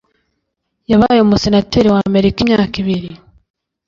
Yabaye umusenateri w’Amerika imyaka ibiri.